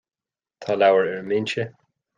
Tá an leabhar ar an mbinse